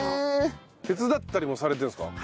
手伝ったりもされてるんですか？